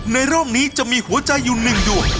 ในรอบนี้จะมีหัวใจอยู่๑ดวง